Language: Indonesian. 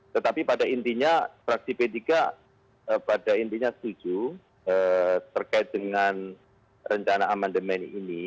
tetapi pada intinya fraksi p tiga pada intinya setuju terkait dengan rencana amandemen ini